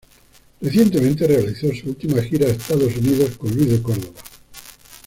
Recientemente, realizó su última gira a Estados Unidos con Luis de Córdoba.